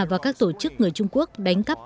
và các tổ chức người trung quốc đánh cắp